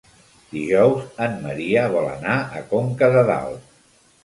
Dijous en Maria vol anar a Conca de Dalt.